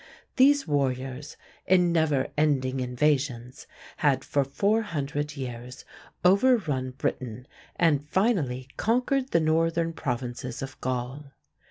These warriors, in never ending invasions, had for four hundred years overrun Britain and finally conquered the northern provinces of Gaul.